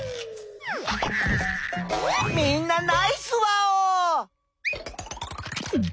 みんなナイスワオー！